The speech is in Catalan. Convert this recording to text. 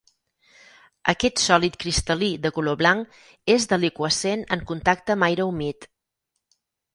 Aquest sòlid cristal·lí de color blanc és deliqüescent en contacte amb aire humit.